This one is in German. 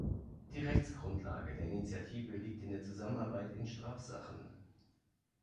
Die Rechtsgrundlage der Initiative liegt in der Zusammenarbeit in Strafsachen.